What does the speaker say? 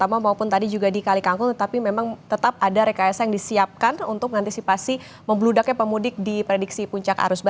maupun tadi juga di kali kangkung tetapi memang tetap ada rekayasa yang disiapkan untuk mengantisipasi membludaknya pemudik di prediksi puncak arus balik